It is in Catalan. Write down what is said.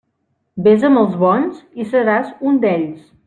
Vés amb els bons i seràs un d'ells.